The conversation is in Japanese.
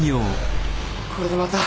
これでまた。